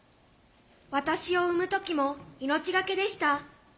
私を産む時も命懸けでした。